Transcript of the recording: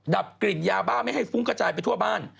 ดับกลิ่นยาบ้าไม่ให้ฟุ้งกระจายไปทั่วบ้าน